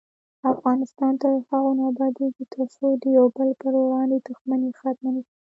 افغانستان تر هغو نه ابادیږي، ترڅو د یو بل پر وړاندې دښمني ختمه نشي.